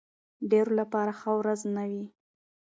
ډېرو لپاره ښه ورځ نه وي.